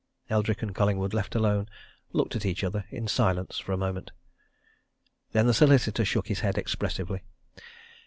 Eldrick and Collingwood, left alone, looked at each, other in silence for a moment. Then the solicitor shook his head expressively.